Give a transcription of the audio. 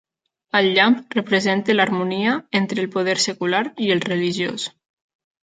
El llamp representa l'harmonia entre el poder secular i el religiós.